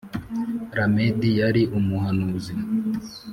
Lamedi yari umuhanuzi